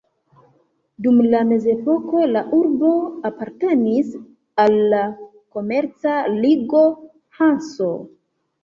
Dum la mezepoko la urbo apartenis al la komerca ligo Hanso.